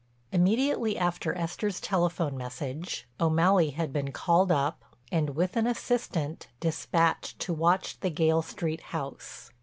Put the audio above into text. Immediately after Esther's telephone message O'Malley had been called up and, with an assistant, dispatched to watch the Gayle Street house.